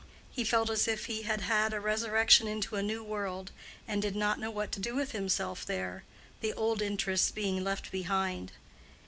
He felt as if he had had a resurrection into a new world, and did not know what to do with himself there, the old interests being left behind.